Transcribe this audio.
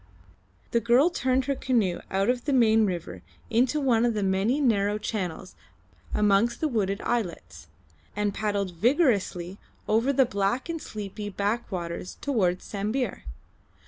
The girl turned her canoe out of the main river into one of the many narrow channels amongst the wooded islets, and paddled vigorously over the black and sleepy backwaters towards Sambir.